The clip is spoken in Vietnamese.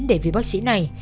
để vì bác sĩ này